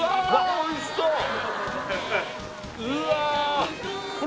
おいしそう！